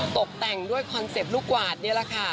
ตกแต่งด้วยคอนเซ็ปต์ลูกกวาดนี่แหละค่ะ